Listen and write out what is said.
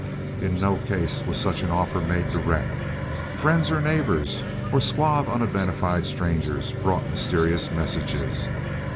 In no case was such an offer made direct. Friends or neighbors, or suave unidentified strangers, brought mysterious messages.